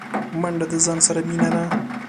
منډه د ځان سره مینه ده